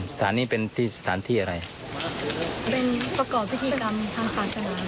สถานที่เป็นพื้นพิธีกรรมทางศาสนาของพระอิฮิงดุค่ะ